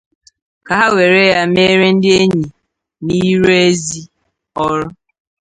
ka ha were ha mere ndị enyi n'ịrụ ezi ọrụ